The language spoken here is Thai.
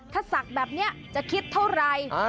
ถ้าสักแบบเนี่ยจะคิดเท่าไร